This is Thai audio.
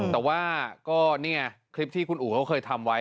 แต่ว่าก็นี่ไงคลิปที่คุณอู๋เขาเคยทำไว้